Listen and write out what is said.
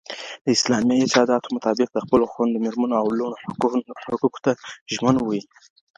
د اسلامي ارشاداتو مطابق د خپلو خوندو، ميرمنو او لوڼو حقوقو ته ژمن وي.